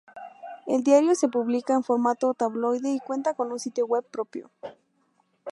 El diario se publica en formato tabloide y cuenta con un sitio web propio.